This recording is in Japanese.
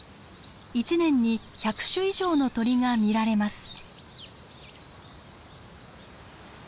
一年に１００種以上の鳥が見られます。